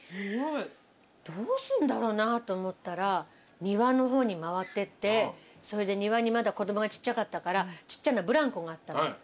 どうすんだろうなと思ったら庭の方に回ってってそれで庭にまだ子供がちっちゃかったからちっちゃなブランコがあったの。